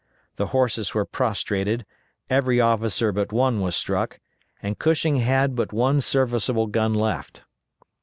The horses were prostrated, every officer but one was struck, and Cushing had but one serviceable gun left.